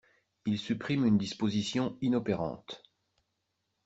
Il supprime une disposition inopérante.